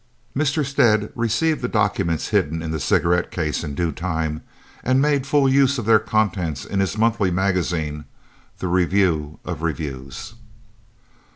Mr. Stead received the documents hidden in the cigarette case in due time and made full use of their contents in his monthly magazine, The Review of Reviews.